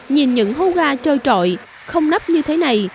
nhìn những hố ga trôi trội không nắp như thế này